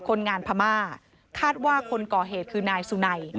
คนงานพม่าคาดว่าคนก่อเหตุคือนายสุนัย